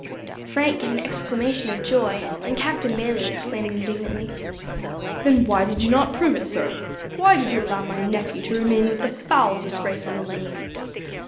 Frank gave an exclamation of joy, and Captain Bayley exclaimed indignantly "Then why did you not prove it, sir? Why did you allow my nephew to remain with the foul disgrace on his name?"